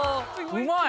うまい！